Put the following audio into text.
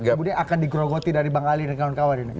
kemudian akan digrogoti dari bang ali dan kawan kawan ini